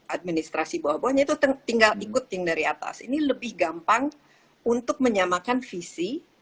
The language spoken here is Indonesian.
administrasi bawah bawahnya itu tinggal di good yang dari atas ini lebih gampang untuk menyamakan visi